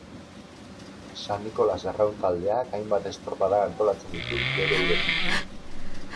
San Nikolas Arraun Taldeak hainbat estropada antolatzen ditu bere uretan.